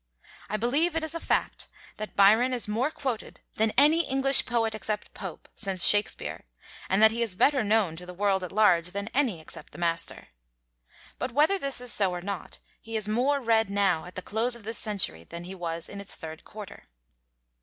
I believe it is a fact that Byron is more quoted than any English poet except Pope since Shakespeare, and that he is better known to the world at large than any except the Master. But whether this is so or not, he is more read now at the close of this century than he was in its third quarter.